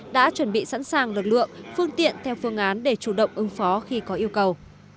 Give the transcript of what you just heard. đã chuẩn bị sẵn sàng lực lượng phương tiện theo phương án để chủ động ứng phó khi có yêu cầu